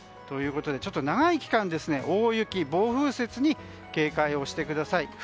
ということでちょっと長い期間大雪、暴風雪に警戒をしてください。